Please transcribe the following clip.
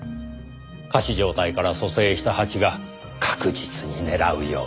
仮死状態から蘇生したハチが確実に狙うように。